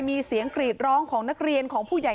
มีเสียงกรีดร้องของนักเรียนของผู้ใหญ่